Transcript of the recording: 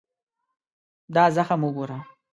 دا زخم وګوره.